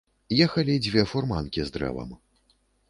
Ехалі дзве фурманкі з дрэвам.